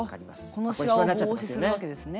このしわを防止する訳ですね。